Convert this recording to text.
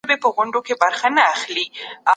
غړي به له ډېر وخت راهيسې د فساد د قضيو پلټنه کوي.